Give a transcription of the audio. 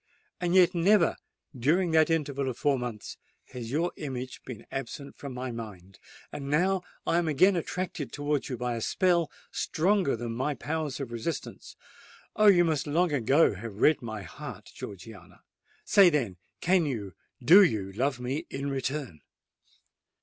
And yet never—during that interval of four months—has your image been absent from my mind: and now I am again attracted towards you by a spell stronger than my powers of resistance. Oh! you must long ago have read my heart, Georgiana:—say, then—can you, do you love me in return?"